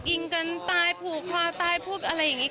อิงกัณฑ์ตายผู่คลาตายพุกอะไรอย่างนี้